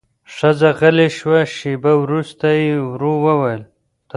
ښځه غلې شوه، شېبه وروسته يې ورو وويل: